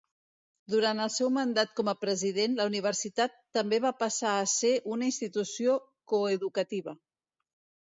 Durant el seu mandat com a president, la universitat també va passar a ser una institució coeducativa.